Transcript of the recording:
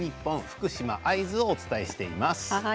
福島会津をお伝えしています。